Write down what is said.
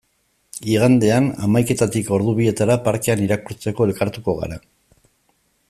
Igandean, hamaiketatik ordu bietara, parkean irakurtzeko elkartuko gara.